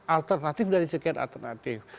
alternatif dari sekian alternatif